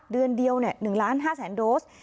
เดือนเดียว๑ล้าน๕แสนโดส